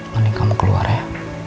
mending kamu keluar ya